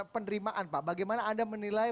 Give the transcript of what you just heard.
penerimaan pak bagaimana anda menilai